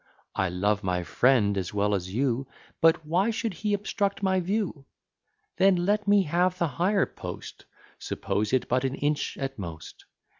I love my friend as well as you: But why should he obstruct my view? Then let me have the higher post: Suppose it but an inch at most.